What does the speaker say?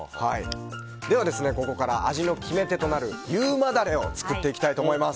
では、ここから味の決め手となる優馬ダレを作っていきます。